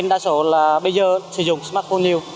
đa số là bây giờ sử dụng smartphone nhiều